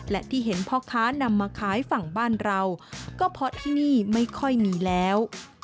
และที่เห็นพ่อค้านำมาขายฝั่งบ้านเราก็เพราะที่นี่ไม่ค่อยมีแล้ว